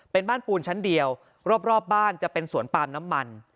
เป็นบ้านปูนชั้นเดียวรอบบ้านจะเป็นสวนปาล์มน้ำมัน